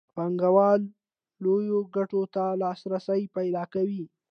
پانګوال لویو ګټو ته لاسرسی پیدا کوي